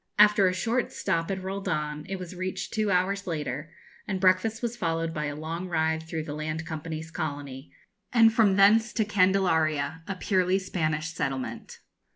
After a short stop at Roldan, it was reached two hours later, and breakfast was followed by a long ride through the Land Company's colony, and from thence to Candelaria, a purely Spanish settlement.